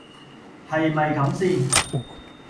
係咪咁先